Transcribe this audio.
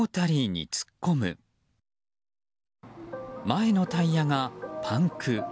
前のタイヤがパンク。